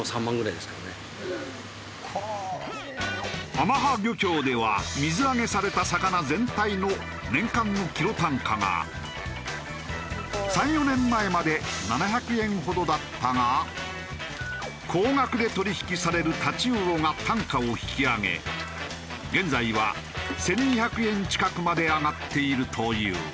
天羽漁協では水揚げされた魚全体の年間のキロ単価が３４年前まで７００円ほどだったが高額で取引されるタチウオが単価を引き上げ現在は１２００円近くまで上がっているという。